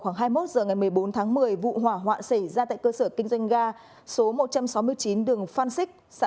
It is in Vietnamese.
khoảng hai mươi một h ngày một mươi bốn tháng một mươi vụ hỏa hoạn xảy ra tại cơ sở kinh doanh ga số một trăm sáu mươi chín đường phan xích xã